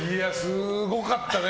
すごかったね。